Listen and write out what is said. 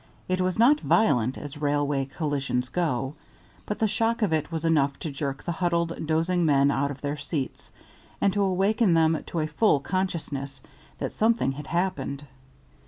It was not violent, as railway collisions go, but the shock of it was enough to jerk the huddled, dozing men out of their seats, and to awaken them to a full consciousness that something had happened.